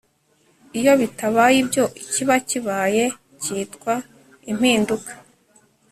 iyo bitabaye ibyo ikiba kibaye cyitwa 'impinduka